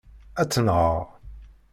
Ad tt-nɣeɣ.